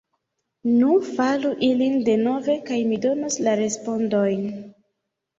Nu, faru ilin denove kaj mi donos la respondojn.